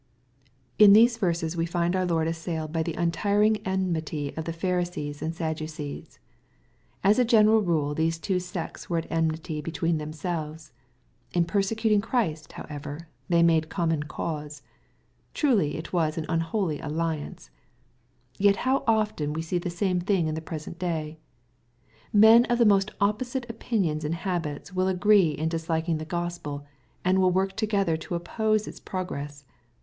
In these verses we find our Lord assailed by the untiring enmity of the Pharisees and Sadducees. As a general rule these two sects were at enmity between themselves. In persecuting Christ, however, they made common cause. Truly it was an unholy alliance 1 Yet how often we see the same thing in the present day. Men of the most opposite opinions and habits will agree in disliking the Gospel, and will work together to oppose its pro gress.